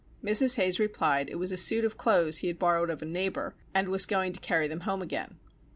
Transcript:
Mrs. Hayes replied it was a suit of clothes he had borrowed of a neighbour, and was going to carry them home again.